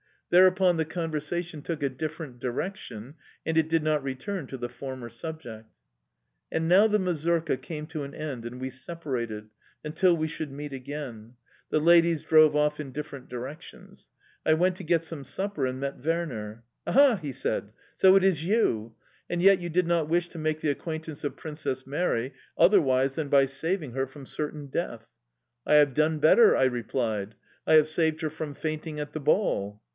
Thereupon the conversation took a different direction, and it did not return to the former subject. And now the mazurka came to an end and we separated until we should meet again. The ladies drove off in different directions. I went to get some supper, and met Werner. "Aha!" he said: "so it is you! And yet you did not wish to make the acquaintance of Princess Mary otherwise than by saving her from certain death." "I have done better," I replied. "I have saved her from fainting at the ball"...